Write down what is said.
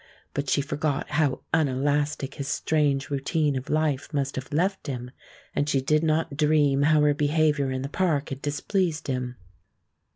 But she forgot how unelastic his strange routine of life must have left him, and she did not dream how her behavior in the park had displeased him.